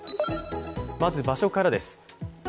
まず場所からです。